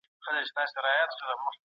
خپل شخصیت به په مثبت ډول جوړوئ.